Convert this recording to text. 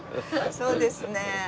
そうですね。